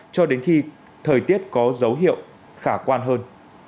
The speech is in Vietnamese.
cho đến khi thời tiết có dấu hiệu khả quan hơn